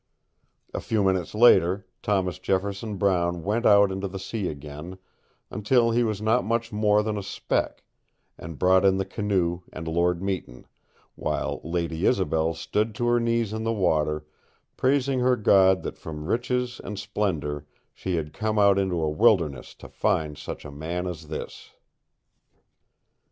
A few minutes later, Thomas Jefferson Brown went out into the sea again, until he was not much more than a speck, and brought in the canoe and Lord Meton, while Lady Isobel stood to her knees in the water, praising her God that from riches and splendor she had come out into a wilderness to find such a man as this.